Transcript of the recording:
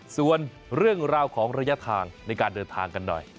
ส่วนเรื่องราวของระยะทางในการเดินทางกันหน่อย